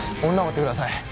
女を追ってください。